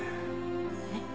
えっ。